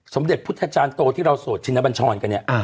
สมเด็จพุทธจารย์โตที่เราโสดชินบัญชรกันเนี่ย